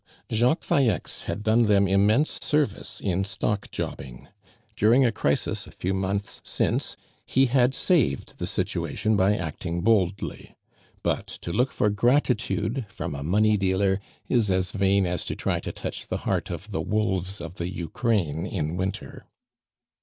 Jacques Falleix had done them immense service in stock jobbing. During a crisis a few months since he had saved the situation by acting boldly. But to look for gratitude from a money dealer is as vain as to try to touch the heart of the wolves of the Ukraine in winter.